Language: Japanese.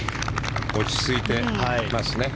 落ち着いてますね。